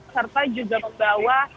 serta juga membawa